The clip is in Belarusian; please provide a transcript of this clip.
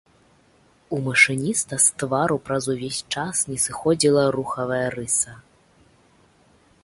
У машыніста з твару праз увесь час не сыходзіла рухавая рыса.